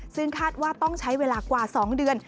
ซึ่งคาดว่าต้องใช้เวลากว่า๒เดือน